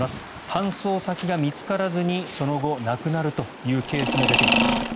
搬送先が見つからずにその後、亡くなるというケースも出ています。